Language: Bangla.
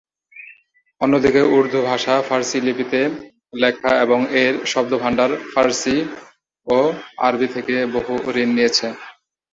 অন্যদিকে উর্দু ভাষা ফার্সি লিপিতে লেখা এবং এর শব্দভাণ্ডার ফার্সি ও আরবি থেকে বহু ঋণ নিয়েছে।